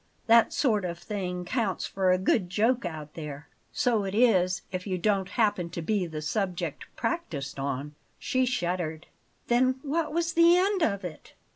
That sort of thing counts for a good joke out there. So it is if you don't happen to be the subject practised on." She shuddered. "Then what was the end of it?"